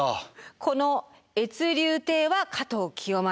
この越流堤は加藤清正。